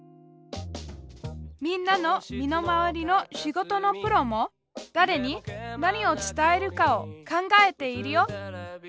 みんなの身の回りの仕事のプロも誰に何を伝えるかを考えているよ。